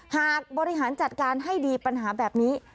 หากบริหารจัดการให้ดีปัญหาแบบนี้